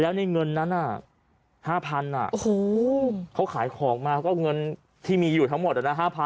แล้วในเงินนั้นอ่ะห้าพันอ่ะโอ้โหเขาขายของมาก็เงินที่มีอยู่ทั้งหมดอ่ะน่ะ